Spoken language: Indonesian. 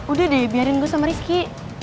udah deh biarin gue sama rizky